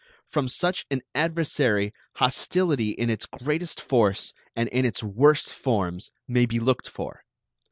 From such an adversary hostility in its greatest force and in its worst forms may be looked for.